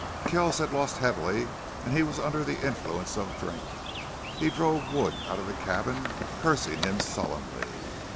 Kells had lost heavily, and he was under the influence of drink. He drove Wood out of the cabin, cursing him sullenly.